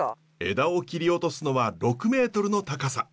枝を切り落とすのは６メートルの高さ。